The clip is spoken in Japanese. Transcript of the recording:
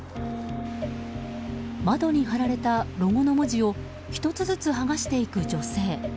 窓に貼られたロゴの文字を１つずつ剥がしていく女性。